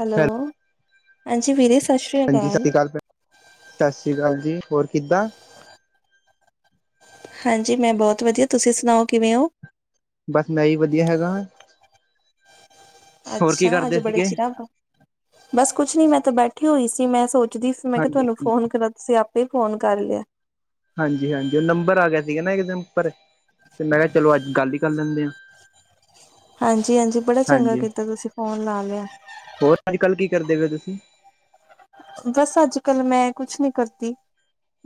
Hello ਹਾਂਜੀ ਵਿਰੇ ਸ ਹਾਂਜੀ ਸਾਸ ਸ਼੍ਰੀ ਕਾਲ, ਸਾਸ ਸ਼੍ਰੀ ਕਾਲ ਜੀ ਹੋਰ ਕਿੱਦਾਂ। ਹਾਂਜੀ ਮੈਂ ਬੋਤ ਵਧੀਆ, ਤੁਸੀਂ ਸੁਣਾਓ ਕਿਵੇਂ ਓ? ਬਸ ਮੈਂ ਈ ਵਧੀਆ ਹੈਗਾਂ। ਕੀ ਅੱਛਾ ਅੱਜ ਕਰਦੇ ਬੜੇ ਸੀਗੇ ਚੀਰਾ ਬਾ ਬਸ ਕੁਛ ਨੀ ਮੈਂ ਤਾਂ ਬੈਠੀ ਹੋਈ ਸੀ ਮੈਂ ਸੋਚਦੀ ਸੀ ਮੈਂ ਕੇਆ ਹਾਂਜੀ ਤੁਆਨੂੰ ਫੋਨ ਕਰਾ ਤੁਸੀਂ ਆਪੇ ਈ ਫੋਨ ਕਰ ਲਯਾ। ਹਾਂਜੀ-ਹਾਂਜੀ ਓ ਨੰਬਰ ਆ ਗਿਆ ਸੀਗਾ ਨਾ ਇੱਕ ਦਿਨ ਉੱਪਰ ਤੇ ਮੈਂ ਕੇਆ ਚਲੋ ਅੱਜ ਗੱਲ ਹੀ ਕਰ ਲੈਂਦੇ ਆ। ਹਾਂਜੀ-ਹਾਂਜੀ ਬੜਾ ਚੰਗਾ ਕੀਤਾ ਤੁਸੀਂ ਫੋਨ ਲਾ ਲਯਾ। ਹੋਰ ਅੱਜ-ਕੱਲ ਕੀ ਕਰਦੇ ਪੇ ਓ ਤੁਸੀਂ? ਬਸ ਅੱਜ-ਕੱਲ ਮੈਂ ਕੁਛ ਨੀ ਕਰਦੀ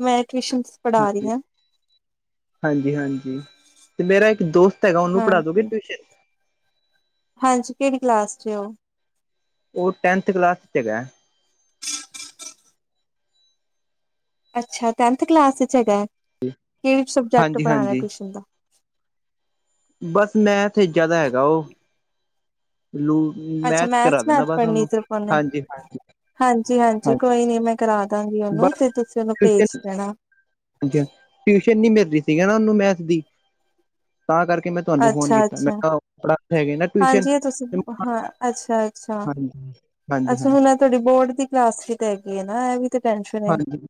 ਮੈਂ ਟਊਸ਼ਨਸ ਹਾਂਜੀ-ਹਾਂਜੀ-ਹਾਂਜੀ ਤੇ ਮੇਰਾ ਇੱਕ ਦੋਸਤ ਹੈਗਾ ਓਨੂੰ ਪੜਾਦੋਗੇ ਹਾਂਜੀ ਟਊਸ਼ਨ ਹਾਂਜੀ ਕੇੜੀ ਕਲਾਸ ਚੇ ਓ? ਓ ਟੈਂਨਥ ਕਲਾਸ ਚ ਹੈਗਾ। ਅੱਛਾ ਟੈਂਥ ਕਲਾਸ ਚ ਹੈਗਾ ਕੇੜੇ ਸਬਜੈਕਟ ਹਾਂਜੀ ਪੜ੍ਹਾਣਾ ਹਾਂਜੀ ਟਊਸ਼ਨ ਦਾ। ਬਸ ਮੈਂਥ ਏਚ ਜਾਦਾ ਹੈਗਾ ਓ। ਲੋ ਵੀ। ਅੱਛਾ ਮੈਥਸ-ਮੈਥ ਪੜ੍ਹਨੀ ਸਿਰਫ ਓਨੇ। ਹਾਂਜੀ ਹਾਂਜੀ-ਹਾਂਜੀ ਹਾਂਜੀ ਕੋਈ ਨੀ ਮੈਂ ਕਰਾ ਦਾਂਗੀ ਓਨੂੰ ਬਸ ਫੇਰ ਤੁਸੀਂ ਓਨੂੰ ਪੇਜ ਟਿਊਸ਼ਨ ਦੇਣਾ। ਟਿਊਸ਼ਨ ਨੀ ਮਿਲ ਰੀ ਸੀਗੀ ਨਾ ਓਨੂੰ ਮੈਥ ਦੀ ਤਾਂ ਕਾਰਕੇ ਮੈਂ ਤੁਆਨੂੰ ਫੋਨ ਕੀਤਾ ਮੈਂ ਅੱਛਾ-ਅੱਛਾ ਕੇਆ ਪੜਾਂਦੇ ਹੈਗੇ ਨਾ ਟਿਊਸ਼ਨ ਹਾਂਜੀ ਐ ਤੁਸੀਂ ਹਾਂ ਹਾਂਜੀ ਹਾਂਜੀ ਅੱਛਾ-ਅੱਛਾ-ਅੱਛਾ ਹਾਂਜੀ ਹੁਣ ਐ ਤੁਆਡੀ ਬੋਰਡ ਦੀ ਕਲਾਸ ਵੀ ਤੇ ਹੈਗੀ ਏ ਨਾ ਐ ਵੀ ਤੇ ਟੈਂਨਸ਼ਨ ਏ ਹਾਂਜੀ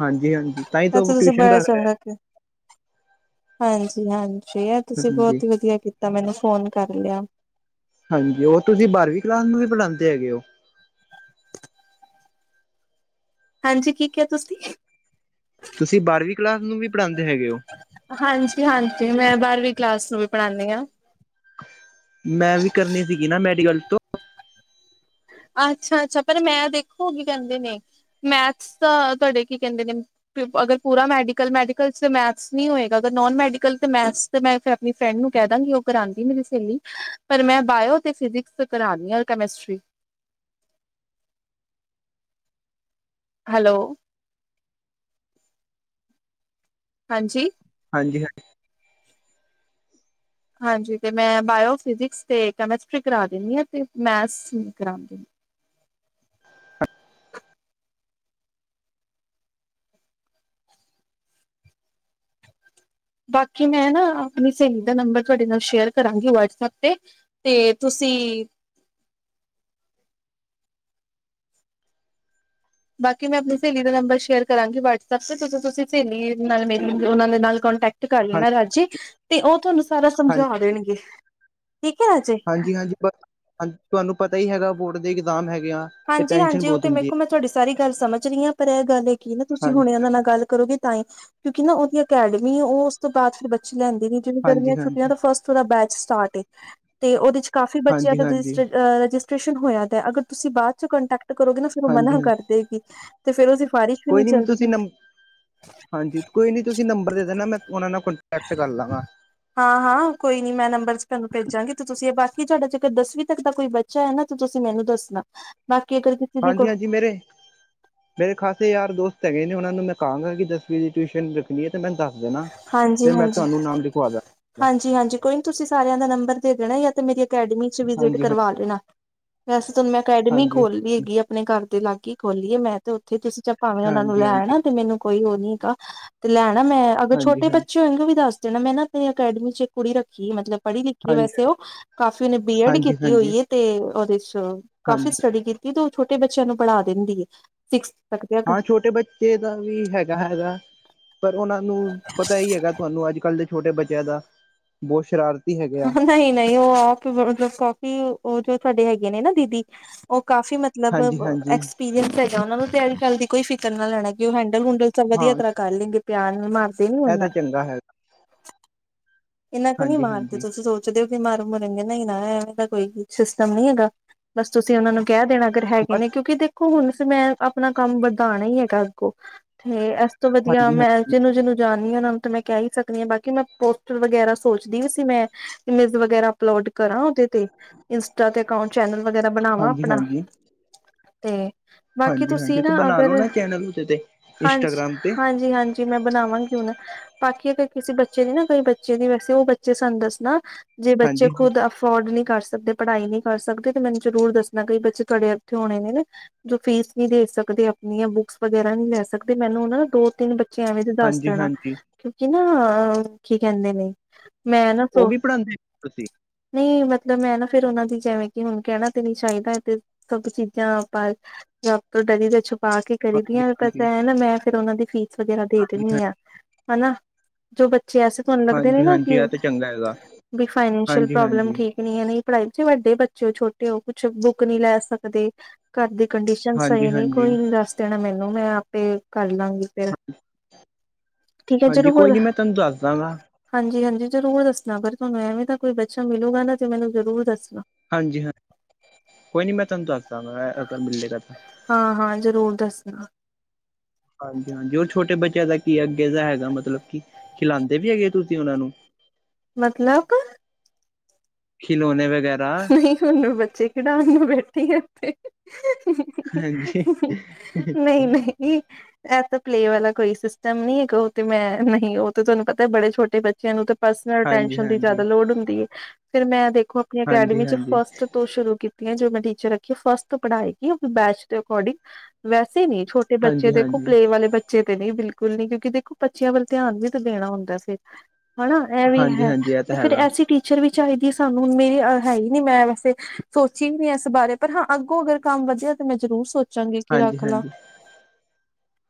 ਹਾਂਜੀ ਹਾਂਜੀ ਤਾਂ ਹੀ ਐ ਤਾਂ ਤੇ ਉਹ ਤੁਸੀਂ ਟਿਊਸ਼ਨ ਬੜਾ ਰੱਖਦਾ ਚੰਗਾ ਕੇਆ। ਹਾਂਜੀ-ਹਾਂਜੀ ਐ ਤੁਸੀਂ ਹਾਂਜੀ ਬੋਹਤ ਈ ਵਧੀਆ ਕੀਤਾ ਮੈਨੂੰ ਫੋਨ ਕਰ ਲਯਾ। ਹਾਂਜੀ ਔਰ ਤੁਸੀਂ ਬਾਰਵੀਂ ਕਲਾਸ ਨੂੰ ਵੀ ਪੜ੍ਹਾਂਦੇ ਹੈਗੇ ਓ। ਹਾਂਜੀ ਕੀ ਕੇਆ ਤੁਸੀਂ ਤੁਸੀਂ ਬਾਰਵੀਂ ਕਲਾਸ ਨੂੰ ਵੀ ਪੜਾਂਦੇ ਹੈਗੇ ਓ। ਹਾਂਜੀ-ਹਾਂਜੀ ਮੈਂ ਬਾਰਵੀਂ ਕਲਾਸ ਨੂੰ ਵੀ ਪੜ੍ਹਾਨੀ ਆਂ। ਮੈਂ ਵੀ ਕਰਨੀ ਸੀਗੀ ਨਾ ਮੈਡੀਕਲ ਤੋਂ। ਅੱਛਾ-ਅੱਛਾ ਪਰ ਮੈਂ ਦੇਖੋ ਕੀ ਕਹਿੰਦੇ ਨੇ, ਮੈਥਸ ਦਾ ਤੁਹਾਡੇ ਕੀ ਕਹਿੰਦੇ ਨੇ। ਅਗਰ ਪੂਰਾ ਮੈਡੀਕਲ, ਮੈਡੀਕਲ ਚ ਮੈਥਸ ਨਹੀਂ ਹੋਏਗਾ ਅਗ ਨੋਨ ਮੈਡੀਕਲ ਤੇ ਮੈਥਸ। ਤੇ ਮੈਂ ਫਿਰ ਆਪਣੀ ਫਰੈਂਡ ਨੂੰ ਕਹਿ ਦਾਂਗੀ, ਉਹ ਕਰਾਂਂਦੀ ਮੇਰੀ ਸਹੇਲੀ ਪਰ ਮੈਂ ਬਾਇਓ ਤੇ ਫਿਜਿਕਸ। ਕਰਾਣੀ ਆ, ਹੋਰ ਕੈਮਿਸਟਰੀ। ਹੈਲੋ। ਹਾਂਜੀ। ਹਾਂਜੀ ਹਾਂਜੀ। ਹਾਂਜੀ ਤੇ ਮੈਂ ਬਾਇਓ, ਫਿਜਿਕਸ ਤੇ ਕੈਮਿਸਟਰੀ ਕਰਾ ਦਿੰਦੀ ਹਾਂ ਤੇ ਮੈਥਸ ਨਹੀਂ ਕਰਾਂਦੀ। ਬਾਕੀ ਮੈਂ ਨਾ ਆਪਣੀ ਸਹੇਲੀ ਦਾ ਨੰਬਰ ਤੁਹਾਡੇ ਨਾਲ ਸ਼ੇਅਰ ਕਰਾਂਗੀ ਵਟਸਐਪ ਤੇ ਤੇ ਤੁਸੀਂ ਬਾਕੀ ਮੈਂ ਆਪਣੀ ਸਹੇਲੀ ਦਾ ਨੰਬਰ ਸ਼ੇਅਰ ਕਰਾਂਗੀ ਵਟਸਐਪ ਤੇ ਤੁਸੀ ਤੁਸੀਂ ਸਹੇਲੀ ਨਾਲ ਮੇਰੀ ਉਹ ਦੇ ਨਾਲ ਕੋਂਟੈਕਟ ਕਰ ਲੈਣਾ ਹਾਂਜੀ ਰਾਜੇ, ਤੇ ਉਹ ਤੁਹਾਨੂੰ ਸਾਰਾ ਸਮਝਾ ਦੇਣਗੇ ਠੀਕ ਹੈ ਰਾਜੇ। ਹਾਂਜੀ ਹਾਂਜੀ ਹਾਂਜੀ ਪਰ ਤੁਹਾਨੂੰ ਪਤਾ ਹੀ ਹੈਗਾ ਬੋਰਡ ਦੇ ਇਗਜ਼ਾਮ ਹੈਗੇ ਆ। ਤੇ ਹਾਂਜੀ ਟੈਨਸ਼ਨ ਹਾਂਜੀ ਉਹ ਬਹੁਤ ਤੇ ਹੁੰਦੀ ਹੈ ਵੇਖੋ ਮੈਂ ਤੁਹਾਡੀ ਸਾਰੀ ਗੱਲ ਸਮਝ ਰਹੀ ਹਾਂ, ਪਰ ਇਹ ਗੱਲ ਇਹ ਕੀ ਨਾ ਤੁਸੀਂ ਹਾਂਜੀ ਹੁਣੇ ਉਹਨਾਂ ਨਾਲ ਗੱਲ ਕਰੋਗੇ। ਤਾਂ ਹੀ ਕਿਉਂਕਿ ਨਾ ਉਹਦੀ ਅਕੈਡਮੀ ਉਹ ਉਸ ਤੋਂ ਬਾਅਦ ਫਿਰ ਬੱਚੇ ਲੈਂਦੀ ਨਹੀ, ਜਿਵੇਂ ਗਰਮੀਆਂ ਹਾਂਜੀ ਹਾਂਜੀ ਛੁਟੀਆਂ ਹਾਂਜੀ ਤੋ ਫਸਟ ਦਾ ਬੈਚ ਸਟਾਰਟ ਏ, ਉਹਦੇ ਚ ਕਾਫੀ ਬੱਚਿਆਂ ਹਾਂਜੀ ਦਾ ਹਾਂਜੀ ਰਜਿਸਟਰਡ ਅ ਰਜਿਸਟ ਰੇਸ਼ਨ ਹੋਇਆ ਤੇ, ਅਗਰ ਤੁਸੀਂ ਬਾਅਦ ਚ ਕੋਂਟੈਕਟ ਕਰੋਗੇ ਨਾ ਫਿਰ ਉਹ ਮਨਾ ਹਾਂਜੀ ਕਰ ਦੇਗੀ, ਤੇ ਫਿਰ ਉਹ ਸਿਫਾਰਿਸ਼ ਵੀ ਕੋਈ ਨਹੀਂ ਨੀ ਚੱਲਦੀ ਤੁਸੀਂ ਨੰਬ ਹਾਂਜੀ, ਕੋਈ ਨੀ ਤੁਸੀਂ ਨੰਬਰ ਦੇ ਦੇਣਾ ਮੈਂ ਉਹਨਾਂ ਨਾਲ ਕੋਂਟੈਕਟ ਕਰ ਲਾਂਗਾ। ਹਾਂ ਹਾਂ ਕੋਈ ਨੀ, ਮੈਂ ਨੰਬਰ ਚ ਤੁਹਾਨੂੰ ਭੇਜਾਂਗੀ, ਤੇ ਤੁਸੀਂ ਬਾਕੀ ਤੁਹਾਡਾ ਜੇਕਰ ਦਸਵੀਂ ਤੱਕ ਦਾ ਕੋਈ ਬੱਚਾ ਹੈ ਨਾ ਤੇ ਤੁਸੀਂ ਮੈਨੂੰ ਦੱਸਣਾ, ਬਾਕੀ ਅਗਰ ਦੀ ਕੋ ਹਾਂਜੀ ਹਾਂਜੀ ਮੇਰੇ ਮੇਰੇ ਖਾਸੇ ਯਾਰ ਦੋਸਤ ਹੈਗੇ ਨੇ, ਉਹਨਾਂ ਨੂੰ ਮੈਂ ਕਹਾਂਗਾ ਕਿ ਦਸਵੀਂ ਦੀ ਟਿਊਸ਼ਨ ਰੱਖਣੀ ਹੈ ਤੇ ਮੈਂਨੂੰ ਦੱਸ ਦੇਣਾ। ਹਾਂਜੀ ਤੇ ਮੈਂ ਹਾਂਜੀ। ਤੁਹਾਨੂੰ ਨਾਮ ਲਿਖਵਾ ਜਾ। ਹਾਂਜੀ ਹਾਂਜੀ ਕੋਈ ਨੀ ਤੁਸੀਂ ਸਾਰਿਆਂ ਦਾ ਨੰਬਰ ਦੇ ਦੇਣਾ, ਯਾ ਤੇ ਮੇਰੀ ਅਕੈਡਮੀ ਚ ਵਿਜਿਟ ਹਾਂਜੀ ਹਾਂ ਕਰਵਾ ਦੇਣਾ। ਵੈਸੇ ਤੇ ਹੁਣ ਮੈਂ ਅਕੈਡਮੀ ਹਾਂਜੀ ਖੋਲ ਲਈ ਹੈਗੀ, ਆਪਣੇ ਘਰ ਦੇ ਲਾਗੇ ਖੋਲੀ ਲਈ ਹ ਮੈਂ ਤੇ ਤੁਸੀਂ ਚਾਹੇ ਭਾਵੇਂ ਉਹਨਾ ਨੂੰ ਹਾਂਜੀ ਹਾਂਜੀ ਲੈ ਆਣਾ ਤੇ ਮੈਨੂੰ ਕੋਈ ਉਹ ਨੀ ਹੈਗਾ, ਤੇ ਲੈਣਾ ਮੈਂ ਅਗਰ ਹਾਂਜੀ ਛੋਟੇ ਹਾਂ ਬੱਚੇ ਹੋਏਗੇ ਵੀ ਦੱਸ ਦੇਣਾ ਮੈਂ ਨਾ ਆਪਣੀ ਅਕੈਡਮੀ ਚ ਇੱਕ ਕੁੜੀ ਰੱਖੀ ਮਤਲਬ ਪੜ੍ਹੀ ਲਿਖੀ ਹਾਂਜੀ ਵੈਸੇ ਉਹ ਕਾਫੀ, ਉਹਨੇ ਬੀਐਡ ਹਾਂਜੀ ਕੀਤੀ ਹਾਂਜੀ ਹੋਈ ਹੈ ਤੇ ਉਹਦੇ ਚ ਕਾਫੀ ਹਾਂਜੀ ਸਟੱਡੀ ਕੀਤੀ ਤੇ ਔ ਛੋਟੇ ਬੱਚਿਆਂ ਨੂੰ ਪੜ੍ਹਾ ਦਿੰਦੀ ਹੈ। ਸਿਕਸ ਤੱਕ ਦੇ ਹਾਂ ਛੋਟੇ ਬੱਚੇ ਦਾ ਵੀ ਹੈਗਾ ਹੈਗਾ। ਪਰ ਉਹਨਾਂ ਨੂੰ ਪਤਾ ਹੀ ਹੈਗਾ, ਤੁਹਾਨੂੰ ਅੱਜ ਕੱਲ੍ਹ ਦੇ ਛੋਟੇ ਬੱਚਿਆਂ ਦਾ, ਬਹੁਤ ਸ਼ਰਾਰਤੀ ਹੈਗਾ ਆ। ਨਹੀਂ ਨਹੀਂ ਉਹ ਆਪ ਮਤਲਬ ਕਾਫੀ ਉਹ ਜੋ ਸਾਡੇ ਹੈਗੇ ਨੇ ਨਾ ਦੀਦੀ ਉਹ ਕਾਫੀ ਮਤਲ ਮਤਲਬ ਹਾਂਜੀ-ਹਾਂਜੀ ਐਕਸਪੀਰੀਅੰਸ ਹੈਗਾ ਉਹਨਾ ਨੂੰ, ਤੇ ਇਸ ਗੱਲ ਦੀ ਕੋਈ ਫਿਕਰ ਨਾ ਲੈਣਾ ਕਿ ਉਹ ਹੈਂਡਲ ਹੁੰਡਲ ਹਾਂ ਵਧੀਆ ਤਰਹ ਕਰ ਲੈਣਗੇ, ਪਿਆਰ ਵੀ ਮਾਰ ਇਹ ਤੇ ਚੰਗਾ ਹੈ। ਇੰਨਾ ਕੁ ਨੀ ਮਾਰਦੇ ਹਾਂਜੀ-ਹਾਂਜੀ ਤੁਸੀਂ ਸੋਚ ਸੋਚਦੇ ਹੋ ਕਿ ਮਾਰਨ ਮੂਹਰਣਗੇ ਨਹੀ ਨਾ ਐਵੇਂ ਦਾ ਕੋਈ ਸਿਸਟਮ ਨੀ ਹੈਗਾ, ਬਸ ਤੁਸੀਂ ਉਹਨਾਂ ਨੂੰ ਕਹਿ ਦੇਣਾ। ਅਗਰ ਹੈਗੇ ਨੇ, ਕਿਉਂਕਿ ਦੇਖੋ ਹੁਣ ਮੈਂ ਆਪਣਾ ਕੰਮ ਵਧਾਣਾ ਹੀ ਹੈਗਾ ਅੱਗੋਂ ਤੇ ਅ ਸਭ ਤੋਂ ਵਧੀਆ ਹਾਂਜੀ ਹਾਂਜੀ ਹਾਂ ਮੈਂ ਜਿਹਨੂੰ ਜਿਹਨੂੰ ਜਾਣਦੀ ਹਾਂ ਉਹਨਾਂ ਨੂੰ ਤਾਂ ਮੈਂ ਕਹਿ ਹੀ ਸਕਦੀ ਹਾਂ, ਬਾਕੀ ਮੈਂ ਪ ਵਗੈਰਾ ਸੋਚਦੀ ਵੀ ਸੀ ਮੈਂ, ਇਮੇਜ ਵਗੈਰਾ ਅਪਲੋਡ ਕਰਾਂ ਉਹਦੇ ਤੇ, ਇੰਸਟਾ ਤੇ ਅਕਾਊਂਟ ਚੈਨਲ ਵਗੈਰਾ ਬਣਾਵਾਂ ਆਪਣਾ। ਹਾਂਜੀ-ਹਾਂਜੀ ਤੇ ਬਾਕੀ ਤੁਸੀਂ ਹਾਂਜੀ-ਹਾਂਜੀ ਤੇ ਨਾ ਬਣਾ ਲੋ ਅਗਰ ਚੈਨਲ ਉਹਦੇ ਤੇ ਇੰਸਟਾਗ੍ਰਾਮ ਤੇ ਹਾਂਜੀ-ਹਾਂਜੀ-ਹਾਂਜੀ ਕੀ ਮੈਂ ਬਨਾਵਾਂਗੀ ਹੁਨ ਬਾਕੀ ਅਗਰ ਕਿਸੇ ਬੱਚੇ ਦੀ ਨਾ ਕਈ ਬੱਚੇ ਦੀ ਵੈਸੇ ਓ ਬੱਚੇ ਸਾਨੂੰ ਦੱਸਨਾ। ਜੇ ਬੱਚੇ ਹਾਂਜੀ ਖੁਦ ਅਫ ਅਫੌਡ ਨਈਂ ਕਰ ਸਕਦੇ ਪੜਾਈ ਨਈਂ ਕਰ ਸਕਦੇ ਤੇ ਮੈਨੂੰ ਜ਼ਰੂਰ ਦੱਸਨਾ ਕਈ ਬੱਚੇ ਤੁਆਡੇ ਐਥੇ ਹੋਨੇ ਨੇ। ਜੋ ਫੀਸ ਨੀ ਦੇ ਸਕਦੇ ਆਪਨੀਆਂ ਬੁੱਕਸ ਵਗੈਰਾ ਨੀ ਲੈ ਸਕਦੇ ਮੈਨੂੰ ਓਨਾਂ ਨੂੰ ਦੋ ਤਿੰਨ ਬੱ ਬੱਚੇ ਐਵੇਂ ਤੇ ਦੱਸ ਹਾਂਜੀ ਦੇਨਾ ਹਾਂਜੀ ਕਿਓਂਕਿ ਨਾ ਕੀ ਕੈਂਦੇ ਨੇ ਮੈਂ ਨਾ ਉਹ ਪਰੋ ਵੀ ਪੜ੍ਹਾਉਂਦੇ ਹੋ ਤੁਸੀਂ ਨਈਂ ਮਤਲਬ ਮੈਂ ਨਾ ਫਿਰ ਓਨਾਂ ਦੀ ਜਿਵੇਂ ਕੇ ਹੁਨ ਕੈਨਾ ਤੇ ਨਈ ਚਾਈਦਾ ਤੇ ਸਬ ਚੀਜ਼ਾਂ ਪਰ ਰੱਬ ਤੋਂ ਡਰੀਦਾ ਛੁਪ ਪਾ ਕੇ ਹਾਂਜੀ ਕਰੀਦੀਆਂ ਹਾਂਜੀ ਪੈਸਾ ਹੈ ਨਾ ਮੈਂ ਫਿਰ ਓਨਾਂ ਦੀ ਫੀਸ ਵਗੈਰਾ ਦੇ ਹ ਦਿੰਨੀ ਆਂ। ਹਨਾ, ਜੋ ਬੱਚੇ ਐਸੇ ਤਆਨੂੰ ਲੱਗਦੇ ਨੇ ਹਾਂਜੀ ਨਾ ਹਾਂਜੀ ਕੀ ਇਹ ਤਾਂ ਚੰਗਾ ਹੈਗਾ ਵੀ ਫਾਈਨੈਂਸ਼ੀਅਲ ਹਾਂਜੀ ਪ੍ਰੋਬਲਮ ਹਾਂਜੀ ਠੀਕ ਨੀ ਐ ਨਈਂ ਪੜਾਈ ਚ ਵੱਡੇ ਬੱਚੇ ਹੋ ਛੋਟੇ ਹੋ ਕੁਛ ਬੁੱਕ ਨੀ ਲੈ ਸਕਦੇ। ਘਰ ਦੀ ਕੰਡੀਸ਼ਨ ਹਾਂਜੀ ਸਈ ਨੀ ਹਾਂਜੀ ਕੋਈ ਨੀ ਦੱਸ ਦੇਨਾ ਮੈਨੂੰ ਮੈਂ ਆਪੇ ਕਰਲਾਂਗੀ। ਹਾਂਜੀ। ਠੀਕ ਆ ਚਲੋ ਹੋਰ ਤੁਆਨੂੰ ਦੱਸਦਾਂਗਾ। ਹਾਂਜੀ-ਹਾਂਜੀ ਜ਼ਰੂਰ ਦੱਸਨਾ ਅਗਰ ਤੁਆਨੂੰ ਐਵੇਂ ਤਾਂ ਕੋਈ ਬੱਚਾ ਮਿਲੂਗਾ ਨਾ ਤੇ ਮੈਨੂੰ ਜ਼ਰੂਰ ਦੱਸਨਾ। ਹਾਂਜੀ ਹਾਂ ਕੋਈ ਨੀ ਮੈਂ ਤੁਆਨੂੰ ਦੱਸ ਦਾਂਗਾ ਆ ਬਿੱਲੇ ਘਰ ਤਾਂ ਹਾਂ-ਹਾਂ ਜ਼ਰੂਰ ਦੱਸਨਾ। ਹਾਂਜੀ-ਹਾਂਜੀ ਓ ਛੋਟੇ ਬੱਚਿਆਂ ਦਾ ਕੀ ਅੱਗੇ ਦਾ ਹੈਗਾ ਮਤਲਬ ਕੀ ਖਿਲਾਂਂਦੇ ਨੀ ਹੈਗੇ ਤੁਸੀਂ ਓਨਾਂ ਨੂੰ। ਮਤਲਬ ਖਿਲੋਨੇ ਵਗੈਰਾ ਨਈਂ ਹੁਨ ਮੈਂ ਬੱਚੇ ਖਿਡਾਨ ਨੂੰ ਬੈਠੀ ਆਂ ਏਥੇ। ਹਾਂਜੀ ਨਈਂ-ਨਈਂ ਐ ਤਾ ਪਲੇ ਵਾਲਾ ਕੋਈ ਸਿਸਟਮ ਨੀ ਹੈਗਾ ਓ ਤੇ ਮੈਂ ਨਹੀਂ ਓ ਤੇ ਤੁਆਨੂੰ ਪਤਾ ਬੜੇ ਛੋਟੇ ਬੱਚਿਆਂ ਨੂੰ ਤੇ ਪਰਸਲ ਹਾਂਜੀ ਹਾਂਜੀ ਅਟੈਸ਼ਨ ਦੀ ਜਾਦਾ ਹਾਂਜੀ ਲੋੜ ਹੁੰਦੀ ਐ, ਫਿਰ ਮੈਂ ਦੇਖੋ ਆਪਨੀ ਹਾਂਜੀ ਅਕੈਡਮੀ ਚ ਹਾਂਜੀ ਫਸਟ ਤੋਂ ਸ਼ੁਰੂ ਕੀਤੀਆਂ ਜੋ ਮੈਂ ਟੀਚਰ ਰੱਖੀ ਫਸਟ ਤੋਂ ਪੜਾਏਗੀ ਬੈਚ ਦੇ ਅਕੋਡਿੰਗ ਵੈਸੇ ਨੀ ਛੋ ਤੇ ਬੱਚੇ ਦੇਖੋ ਹਾਂਜੀ ਪਲੇ ਵਾਲੇ ਬੱ ਬੱਚੇ ਤੇ ਨਈਂ ਬਿਲਕੁਲ ਨਈਂ ਕਿਓਂਕਿ ਦੇਖੋ ਬੱਚਿਆਂ ਵੱਲ ਧਿਆਨ ਵੀ ਤਾਂ ਦੇਨਾ ਹੁੰਦਾ ਅਸੀਂ ਹਨਾ ਐ ਵੀ ਹਾਂਜੀ ਹੈ, ਹਾਂਜੀ ਇਹ ਤੇ ਤਾਂ ਫਿਰ ਹੈਗਾ ਐਸੀ ਟੀਚਰ ਵੀ ਚਾਈਦੀ ਐ ਸਾਨੂੰ ਮੇਰੇ ਹੈਈ ਨੀ ਮੈਂ ਵੈਸੇ ਸੋਚੀ ਵੀ ਨੀ ਏਸ ਬਾਰੇ ਪਰ ਹਾਂ ਅੱਗੋਂ ਅਗਰ ਕੰਮ ਵਦੇਆ ਤੇ ਮੈਂ ਜ਼ਰੂਰ ਸੋਚਾਂ ਹਾਂਜੀ-ਹਾਂਜੀ,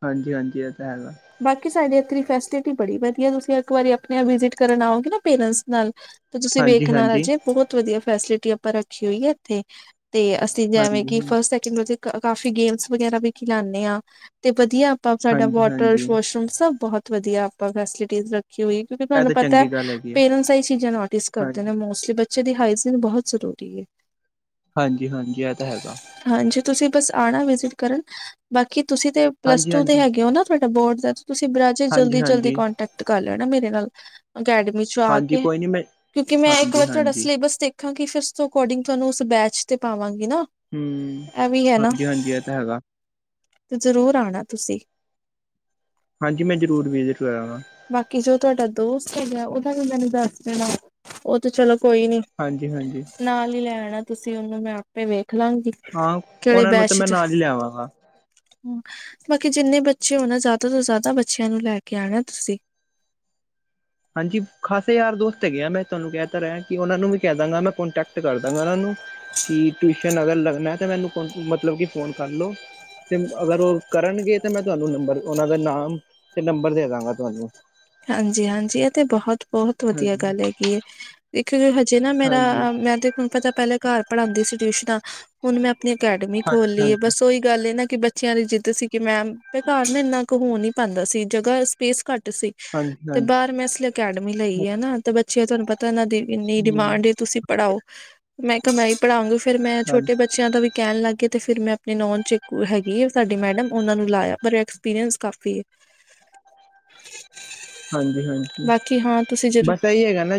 ਹਾਂਜੀ-ਹਾਂਜੀ ਏ ਤਾਂ ਹੈਗਾ। ਬਾਕੀ ਸਾਡੇ ਏਥੇ ਦੀ ਫੈਸਲਿਟੀ ਬੜੀ ਵਦੀਆ ਤੁਸੀਂ ਇੱਕ ਵਾਰੀ ਆਪਨੇ ਆਪ ਵਿਜਿਟ ਕਰਨ ਆਓਗੇ ਨਾ ਪੇਰੈਂਟਸ ਨਾਲ ਤੇ ਤੁਸੀਂ ਹਾਂਜੀ ਵੇਖਨਾ ਹਾਂਜੀ ਰਾਜੇ ਬੋਤ ਵਦੀਆ ਫੈਸਲਿਟੀ ਆਪਾਂ ਰੱਖੀ ਹੋਈ ਐ ਐਥੇ, ਤੇ ਤੇ ਐਵੇਂ ਹਾਂਜੀ ਕੀ ਹਾਂਜੀ ਫਸਟ ਸੈਕਿੰਡ ਰੋਜ ਕਾਫੀ ਗੇਮਸ ਵਗੈਰਾ ਵੀ ਖਿਲਾਂਨੇ ਆ ਤੇ ਵਦੀਆ ਆਪਾਂ ਸਾਡਾ ਹਾਂਜੀ ਵੋਟਰ ਹਾਂਜੀ ਵੋਸ਼ਰੂਮ ਸਬ ਬਹੋਤ ਵਦੀਆ ਆਪਾਂ ਫੈਸਿਲਿਟੀਜ਼ ਰੱਖੀ ਹੋਈ ਕਿਓਂਕਿ ਇਹ ਸਾਨੂੰ ਤਾਂ ਪਤਾ ਚੰਗੀ ਗੱਲ ਹੈਗੀ ਆ ਪੇਰੈਂਟਸ ਏ ਈ ਚੀਜ਼ਾਂ ਨੋਟਿਸ ਕਰਦੇ ਨੇ ਹਾਂਜੀ ਮੋਸਟਲੀ ਬੱ ਬੱਚੇ ਦੀ ਹਾਈਜ਼ਨ ਬਹੁ ਜ਼ਰੂਰੀ ਐ। ਹਾਂਜੀ-ਹਾਂਜੀ ਐ ਤਾਂ ਹੈਗਾ। ਹਾਂਜੀ ਤੁਸੀਂ ਬਸ ਆਨਾ ਵਿਜਿਟ ਕਰਨ, ਬਾਕੀ ਤੁਸੀਂ ਤੇ ਪਲੱਸ ਹਾਂਜੀ ਟੂ ਹਾਂਜੀ ਦੇ ਹੈਗੇ ਓ ਨਾ। ਤੁਆਡਾ ਬੋਰਡ ਦਾ ਤੁਸੀਂ ਬ ਰਾਜੇ ਹਾਂਜੀ ਜਲਦੀ-ਜਲਦੀ ਹਾਂਜੀ ਕੋਂਟੈਕਟ ਕਰ ਲੈਨਾ ਮੇਰੇ ਨਾਲ ਅਕੈਡਮੀ ਚ ਜਾ ਹਾਂਜੀ ਕੇ ਕੋਈ ਨਹੀਂ ਮੈਂ ਕਿਓਂਕਿ ਮੈਂ ਇੱਕ ਹਾਂਜੀ ਵਾਰ ਤੁਆਡਾ ਹਾਂਜੀ ਸਿਲੇਬਸ ਦੇਖ ਦੇਖਾਂਗੀ ਫਿਰ ਉਸ ਤੋਂ ਅਕੋਡਿੰਗ ਤੁਆਨੂੰ ਉਸ ਬੈਚ ਤੇ ਪਾਵਾਂਗੀ ਨਾ। ਹੂੰ, ਇਹ ਵੀ ਹੈ ਨਾ ਹਾਂਜੀ-ਹਾਂਜੀ ਏਹ ਤਾਂ ਹੈਗਾ। ਤੇ ਜ਼ਰੂਰ ਆਣਾ ਤੁਸੀਂ। ਹਾਂਜੀ ਮੈਂ ਜ਼ਰੂਰ ਵਿਜਿਟ ਕਰਾਂਗਾ। ਬਾਕੀ ਜੋ ਤੁਹਾਡਾ ਦੋਸਤ ਹੈਗਾ ਓਦਾ ਵੀ ਮੈਨੂੰ ਦੱਸ ਦੇਣਾ, ਓ ਤੇ ਚਲੋ ਕੋਈ ਨੀ। ਹਾਂਜੀ-ਹਾਂਜੀ। ਨਾਲ ਈ ਲੈ ਆਣਾ ਤੁਸੀਂ ਓਨੂੰ ਮੈਂ ਆਪੇ ਵੇਖ ਲਾਗੀ। ਹਾਂ ਓਨਾਂ ਨੂੰ ਤਾਂ ਮੈਂ ਨਾਲ ਈ ਲਿਆਵਾਂਗਾ। ਹੂੰ, ਬਾਕੀ ਜਿੰਨੇ ਬੱਚੇ ਹੋਣ ਨਾ ਜਾਦਾ ਤੋਂ ਜਾਦਾ ਬੱਚਿਆਂ ਨੂੰ ਲੈ ਕੇ ਆਣਾ ਤੁਸੀਂ। ਹਾਂਜੀ ਖਾਸੇ ਯਾਰ ਦੋਸਤ ਹੈਗੇ ਆ ਮੈਂ ਤੋਨੂੰ ਕਹਿ ਤਾਂ ਰੇਆ ਕਿ ਓਨਾਂ ਨੂੰ ਵੀ ਕਹਿ ਦਾਂਗਾ ਮੈਂ ਕੋਟੈਕਟ ਕਰ ਦਾਂਗਾ ਓਨਾਂ ਨੂੰ। ਕਿ ਟੂਸ਼ਨ ਅਗਰ ਲੱਗਣੈ ਤਾਂ ਮੈਨੂੰ ਮਤਲਬ ਕਿ ਫੋਨ ਕਰਲੋ। ਤੇ ਅਗਰ ਓ ਕਰਨਗੇ ਤਾਂ ਮੈਂ ਤੁਹਾਨੂੰ ਨੰਬਰ ਓਨਾਂ ਦਾ ਨਾਮ ਤੇ ਨੰਬਰ ਦੇ ਦਾਂਗਾ ਤੁਹਾਨੂੰ। ਹਾਂਜੀ-ਹਾਂਜੀ ਏਹ ਤੇ ਬਹੁਤ ਬਹੁਤ ਵਧੀਆ ਹਾਂਜੀ ਗੱਲ ਹੈਗੀ ਏ। ਦੇਖਿਓ ਹਜੇ ਨਾ ਮੇਰਾ ਹਾਂਜੀ ਅਹ ਮੈਂ ਤੇ ਹੁਣ ਪਤਾ ਪਹਿਲੇ ਘਰ ਪੜਾਦੀ ਸੀ ਟਿਊਸ਼ਨਾਂ, ਹੁਣ ਮੈਂ ਅਕੈਡਮੀ ਹਾਂਜੀ ਖੋਲੀ ਏ ਹਾਂਜੀ ਬਸ ਓਹੀ ਗੱਲ ਏ ਨਾ ਕਿ ਬੱਚਿਆਂ ਦੀ ਜਿੱਦ ਸੀ ਕਿ ਮੈਮ ਬ ਘਰ ਨਾ ਐਨਾ ਕ ਹੋ ਨੀ ਪਾਂਦਾ ਸੀ ਜਗਾਂ ਸਪੇਸ ਘੱਟ ਸੀ, ਹਾਂਜੀ ਤੇ ਬਾਰ ਮੈਂ ਏਸ ਲ ਅਕੈਡਮੀ ਲਈ ਐ ਹਾਂਜੀ ਨਾ ਤੇ ਬੱਚਿਆਂ ਤੁਹਾਨੂੰ ਪਤਾ ਏਨਾਂ ਦੀ ਏਨੀ ਡਿਮਾਂਡ ਐ ਤੁਸੀਂ ਪੜਾਓ। ਮੈਂ ਤਾਂ ਮੈਂ ਈ ਪੜਾਊਗੀ ਫੇਰ ਮੈਂ ਹਮ, ਛੋਟਿਆਂ ਬੱਚ ਬੱਚਿਆਂ ਦਾ ਵੀ ਕਹਿਣ ਲੱਗ ਗੇ ਤੇ ਫੇਰ ਮੈਂ ਆਪਣੇ ਨੌਨ ਚ ਇੱਕ ਹੈਗੀ ਏ ਸਾਡੇ ਮੈਡਮ ਓਨਾਂ ਨੂੰ ਲਾਇਆ ਪਰ ਐਕ ਐਕਸਪੀਰੀਐਂਸ ਕਾਫੀ ਏ। ਹਾਂਜੀ-ਹਾਂਜੀ, ਬਾਕੀ ਹਾਂ ਤੁਸੀਂ ਜਰੂਰ ਬਸ ਏਹੀ ਹੈਗਾ ਨਾ।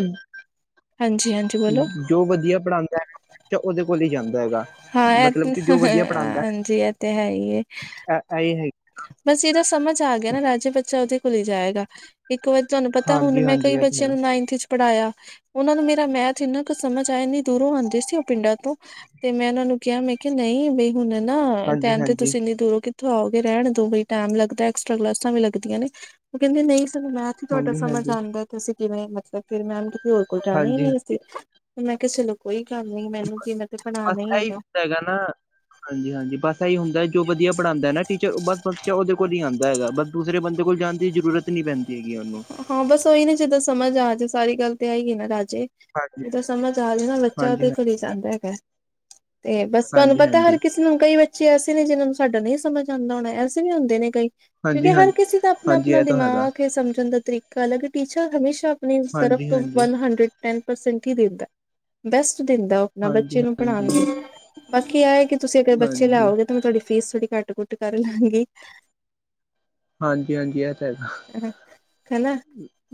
ਹਾਂਜੀ-ਹਾਂਜੀ ਬੋਲੋ। ਜੋ ਵਧੀਆ ਪੜਾਦੈ ਬੱਚਾ ਓਦੇ ਕੋਲ ਈ ਜਾਂਦਾ ਹੈਗਾ ਹਾਂ ਇਹ ਮਤਲਬ ਤੇ ਕਿ ਜੋ ਵਧੀਆ ਪੜਾਦਾ। ਹਾਂਜੀ ਇਹ ਤੇ ਹੈ ਹੀ ਏ ਐ ਐਈ ਹੈ ਬਸ, ਏਦਾ ਸਮਝ ਆ ਗਿਆ ਨਾ ਰਾਜੇ ਬੱਚਾ ਓਦੇ ਕੋਲੇ ਈ ਜਾਏਗਾ। ਇੱਕ ਵਾਰੀ ਤੁਹਾਨੂੰ ਪਤਾ ਹਣ ਹਾਂਜੀ ਮੈਂ ਹਾਂਜੀ ਕਈ ਇਹ ਤਾਂ ਬੱਚਿਆਂ ਹੈ ਨੂੰ ਨਾਈਨਥ ਚ ਪੜ੍ਹਾਇਆ। ਓਨਾਂ ਨੂੰ ਮੇਰਾ ਮੈਥ ਏਨਾ ਕ ਸਮਝ ਆਇਆ, ਐਨੀ ਦੂਰੋਂ ਆਦੇ ਸੀ ਓ ਪਿੰਡਾਂ ਤੋਂ। ਤੇ ਮੈਂ ਏਨਾਂ ਨੂੰ ਕਿਹਾ ਮੈਂ ਕਿਹਾ ਨ‌‌ਈ, ਬਈ ਹੁਣ ਨਾ ਹਾਂਜੀ ਟੈਮ ਤੇ ਹਾਂਜੀ ਤੁਸੀਂ ਐਨੀ ਦੂਰੋ ਕਿੱਥੋਂ ਆਓਗੇ ਰਹਿਣ ਦੋ ਗੇ ਟੈਮ ਲੱਗਦਾ ਐਕਸਟਰਾ ਕਲਾਸਾਂ ਵੀ ਲੱਗਦੀਆਂ ਨੇ, ਓ ਕਹਿੰਦੇ ਨ‌ਈ ਸਾਨੂੰ ਮੈਥ ਈ ਤੁਹਾਡਾ ਹਾਂਜੀ ਸਮਝ ਆਦਾ। ਤੁਸੀਂ ਕਿਵੇਂ ਮਤਲਬ ਫੇਰ ਮੈਮ ਕਿਸੇ ਹੋਰ ਕੋਲ ਜਾਣਾ ਈ ਹਾਂਜੀ ਨੀ ਅਸੀ। ਮੈਂ ਕਿਹਾ ਚਲੋ ਕੋਈ ਗੱਲ ਨੀ ਮੈਨੂੰ ਕੀ, ਮੈਂ ਤੇ ਪੜਾਣਾ ਈ ਹੈਗਾ। ਹੁੰਦਾ ਹੈਗਾ ਨਾ ਹਾਂਜੀ-ਹਾਂਜੀ, ਬਸ ਐ‌ਈ ਹੁੰਦਾ ਜੋ ਵਧੀਆ ਪੜਾਦਾ ਨਾ ਟੀਚਰ ਬਸ ਬੱਚਾ ਓਦੇ ਕੋਲ ਈ ਆਦਾ ਹੈਗਾ ਬਸ ਦੂਸਰੇ ਬੰਦੇ ਕੋਲ ਜਾਣ ਦੀ ਜ਼ਰੂਰਤ ਨੀ ਪੈਂਦੀ ਹੈਗੀ ਓਨੂੰ। ਹਾਂ ਬਸ, ਓਹੀ ਨਾ ਜਿਦਾਂ ਸਮਝ ਆਜੇ ਸਾਰੀ ਗੱਲ ਤੇ ਏਹੀ ਏ ਨਾ ਰਾਜੇ। ਹਾਂਜੀ ਜਿਦਾਂ ਸਮਝ ਆਜੇ ਨਾ ਬੱਚਾ ਓਦੇ ਹਾਂਜੀ ਕੋਲ ਈ ਜਾਂਦਾ ਹੈਗਾ। ਤੇ ਬਸ ਤੁਹਾਨੂੰ ਹਾਂਜੀ ਹਾਂਜੀ ਪਤਾ ਹਰ ਹਾਂਜੀ ਕਿਸੇ ਤੇ ਹੁਣ ਕਈ ਬੱਚੇ ਐਸੇ ਨੇ ਜਿੰਨਾਂ ਨੂੰ ਸਾਡਾ ਨ‌‌ਈ ਸਮਝ ਆਦਾ ਹੋਣਾ, ਐਸੇ ਵੀ ਹੁੰਦੇ ਨੇ ਕਈ। ਹਾਂਜੀ ਕਿਉਂਕਿ ਹਰ ਹਾਂਜੀ ਕਿਸੀ ਦਾ ਹਾਂਜੀ ਅਪਣਾ-ਅਪਣਾ ਇਹ ਤਾਂ ਹੈਗਾ ਦਿਮਾਗ ਐ ਸਮ ਝਣ ਦਾ ਤਰੀਕਾ ਅਲਗ ਐ, ਟੀਚਰ ਹਮੇਸ਼ਾ ਆਪਣੀ ਤਰਫ ਹਾਂਜੀ ਤੋਂ ਹਾਂਜੀ ਵਨ ਹੰਡਰਡ ਟੈਨ ਪਰਸੈਂਟ ਈ ਦਿੰਦਾ, ਬੈਸਟ ਦਿੰਦੈ ਓ। ਨਾ ਹਾਂਜੀ ਬੱਚੇ ਨੂੰ ਪੜਾਨ ਹਾਂਜੀ ਲਗੇ ਬਾਕੀ ਏਹ ਐ ਕਿ ਤੁਸੀਂ ਅਗਰ ਬੱਚੇ ਲੈ ਹਾਂਜੀ ਆਓਗੇ ਤਾਂ, ਮੈਂ ਤੁਹਾਡੀ ਫੀਸ ਥੋੜੀ ਘੱਟ ਕਰ ਲਾਂਗੀ। ਹਾਂਜੀ-ਹਾਂਜੀ ਏਹ ਤ ਹਨਾ,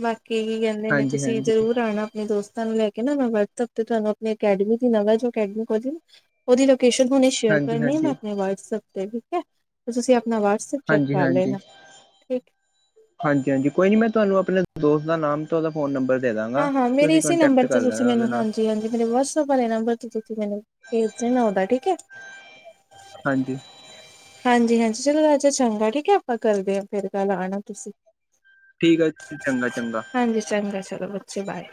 ਬਾਕੀ ਏਹੀ ਕਹਿੰਦੇ ਨੇ ਹਾਂਜੀ ਤੁਸੀਂ ਹਾਂਜੀ ਜਰੂਰ ਆਣਾ। ਆਪਣੇ ਦੋਸਤਾਂ ਨੂੰ ਲੈ ਕੇ ਨਾ ਮੈਂ ਵਟਸਐਪ ਤੇ ਤੁਹਾਨੂੰ ਆਪਣੀ ਅਕੈਡਮੀ ਦੀ ਨਵਾਂ ਜੋ ਅਕੈਡਮੀ ਖੋਲੀ ਨਾ ਓਦੀ ਲੋਕੇਸ਼ਨ ਹੁਨੇ ਸ਼ੇਅਰ ਹਾਂਜੀ ਕਰਨੀਆਂ ਮੈਂ ਹਾਂਜੀ ਆਪਨੇ ਵਟਸਐਪ ਤੇ, ਠੀਕ ਹੈ। ਤੁਸੀਂ ਆਪਣਾ ਵਾਟਸਐਪ ਹਾਂਜੀ, ਹਾਂਜੀ ਹਾਂਜੀ, ਹਾਂਜੀ। ਕੋਈ ਨੀ, ਮੈਂ ਤੁਹਾਨੂੰ ਆਪਣੇ ਦੋਸਤ ਦਾ ਨਾਮ ਤਾਂ ਓਦਾ ਫੋਨ ਨੰਬਰ ਦੇ ਦਾਂਗਾ। ਹਾਂ-ਹਾਂ ਮੇਰੇ ਤੁਸੀਂ ਇਸੇ ਕੋਂਟੈਕਟ ਨੰਬਰ ਕਰ ਲੈਣਾ ਉਹਦੇ ਨਾਲ ਤੇ ਹਾਂਜੀ, ਮੇਰੇ ਵਟਸਐਪ ਵਾਲੇ ਨੰਬਰ ਤੇ ਤੁਸੀ ਮੈਨੂੰ ਭੇਜ ਦੇਨਾ ਓਦਾ, ਠੀਕੇ। ਹਾਂਜੀ ਹਾਂਜੀ-ਹਾਂਜੀ। ਚਲੋ, ਰਾਜੇ ਚੰਗਾ ਠੀਕਏ, ਆਪਾਂ ਕਰਦੇ ਹਾਂ ਫੇਰ ਕੱਲ ਆਣਾ ਤੁਸੀਂ ਠੀਕ ਹੈ ਚੰਗਾ ਚੰਗਾ ਹਾਂਜੀ, ਚੰਗਾ ਚਲੋ, ਬੱਚੇ ਬਾਏ